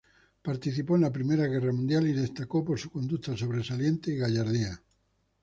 Participó en la Primera Guerra Mundial y destacó por su conducta sobresaliente y gallardía.